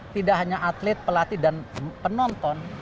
tidak hanya atlet pelatih dan penonton